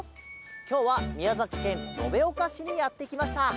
きょうはみやざきけんのべおかしにやってきました。